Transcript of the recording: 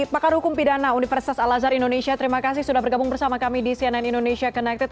pakar hukum pidana universitas al azhar indonesia terima kasih sudah bergabung bersama kami di cnn indonesia connected